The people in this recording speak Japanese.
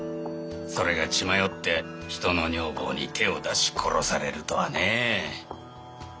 それが血迷って人の女房に手を出し殺されるとはねえ。